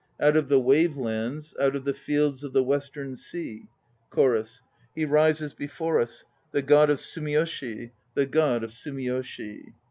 Out of the wave lands, Out of the fields of the Western Sea CHORUS. He rises before us, The God of Sumiyoshi, The God of Sumiyoshi!